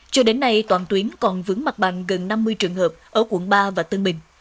cho đến nay toàn tuyến còn vững mặt bằng gần năm mươi trường hợp ở quận ba và tân bình